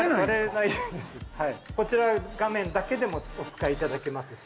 こちら画面だけでもお使いいただけますし。